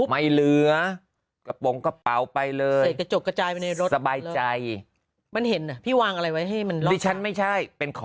ไม่เหลือกระป๋องกระเป๋าไปเลยเสร็จกระจกกระจายไปในรถสบายใจ